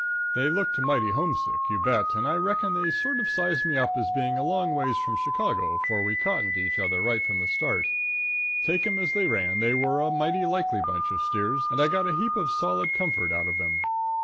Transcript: They looked mighty homesick, you bet, and I reckon they sort of sized me up as being a long ways from Chicago, for we cottoned to each other right from the start. Take 'em as they ran, they were a mighty likely bunch of steers, and I got a heap of solid comfort out of them.